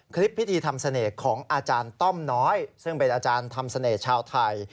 พิธีทำเสน่ห์ของอาจารย์ต้อมน้อยซึ่งเป็นอาจารย์ทำเสน่ห์ชาวไทย